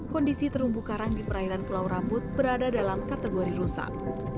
kondisi terumbu karang di perairan pulau rambut berada dalam kategori rusak